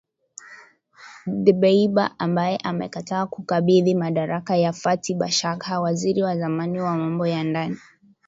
Dbeibah ambaye amekataa kukabidhi madaraka kwa Fathi Bashagha, waziri wa zamani wa mambo ya ndani